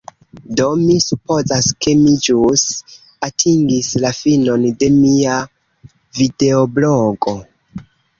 Do, mi supozas ke mi ĵus atingis la finon de mia videoblogo.